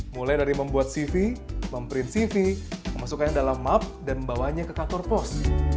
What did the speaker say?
mulai dari membuat cv memprint cv memasukkannya dalam map dan membawanya ke kantor pos